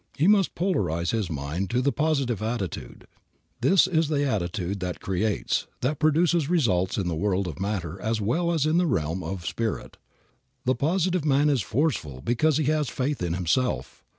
He must polarize his mind to the positive attitude. This is the attitude that creates, that produces results in the world of matter as well as in the realm of spirit. The positive man is forceful because he has faith in himself.